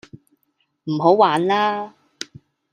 唔好玩啦